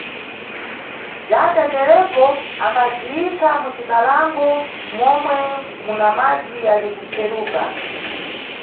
Bzata terepo ambaziyikha mucikalango momwe muna madzi yali kupferuka.